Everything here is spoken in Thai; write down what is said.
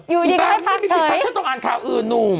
อยู่ดีกว่าให้พักเฉยไม่มีพักฉันต้องอ่านข่าวอื่นนุ่ม